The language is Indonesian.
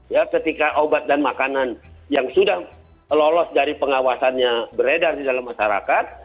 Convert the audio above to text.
ya ketika obat dan makanan yang sudah lolos dari pengawasannya beredar di dalam masyarakat